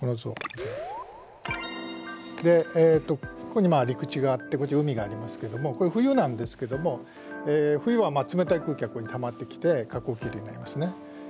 ここに陸地があってこっちに海がありますけどもこれ冬なんですけども冬は冷たい空気がここにたまってきて下降気流になりますね。